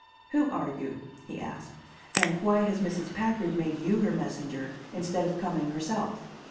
"Who are you?" he asked, "and why has Mrs. Packard made you her messenger instead of coming herself?"